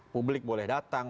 publik boleh datang